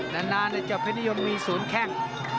ดังนานเจอเพศนิยมมีศูนย์แข้ง